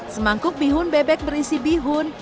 semangkuk bihun bebek berisi bihun